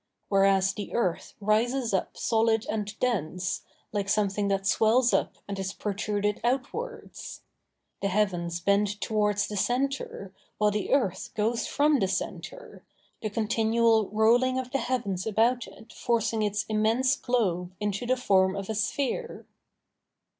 Whereas the earth rises up solid and dense, like something that swells up and is protruded outwards. The heavens bend towards the centre, while the earth goes from the centre, the continual rolling of the heavens about it forcing its immense globe into the form of a sphere.